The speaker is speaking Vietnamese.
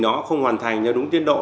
nó không hoàn thành cho đúng tiến độ